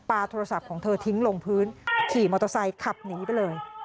โทรศัพท์ของเธอทิ้งลงพื้นขี่มอเตอร์ไซค์ขับหนีไปเลย